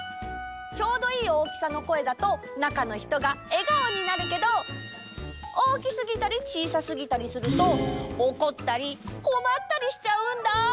ちょうどいい大きさの声だとなかのひとがえがおになるけど大きすぎたりちいさすぎたりするとおこったりこまったりしちゃうんだ。